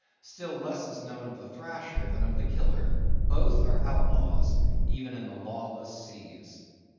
Still less is known of the Thrasher than of the Killer. Both are outlaws, even in the lawless seas.